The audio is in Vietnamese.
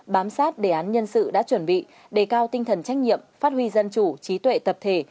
bám sát đề án nhân sự đã chuẩn bị đề cao tinh thần trách nhiệm phát huy dân chủ trí tuệ tập thể